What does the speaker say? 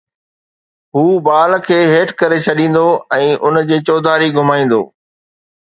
هو بال کي هيٺ ڪري ڇڏيندو ۽ ان جي چوڌاري گھمائيندو